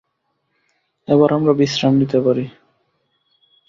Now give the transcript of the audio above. এবার আমরা বিশ্রাম নিতে পারি।